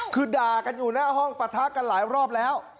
คือด่ากันอยู่หน้าห้องปะทะกันหลายรอบแล้ว